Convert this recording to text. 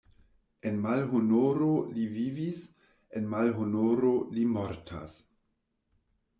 En malhonoro li vivis, en malhonoro li mortas!